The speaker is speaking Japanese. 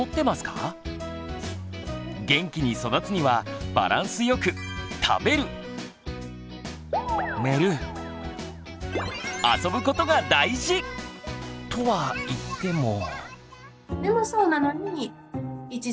元気に育つにはバランスよくことが大事！とはいっても。